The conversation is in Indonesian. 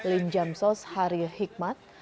linjam sos hari hikmat